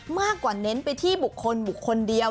มากกว่าเน้นไปที่บุคคลบุคคลเดียว